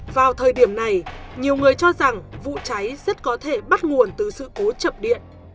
vào thời điểm này nhiều người cho rằng vụ cháy rất có thể bắt nguồn từ sự cố chập điện